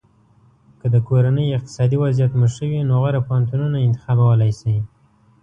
که د کورنۍ اقتصادي وضعیت مو ښه وي نو غوره پوهنتونونه انتخابولی شی.